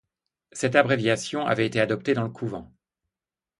Cette abréviation avait été adoptée dans le couvent.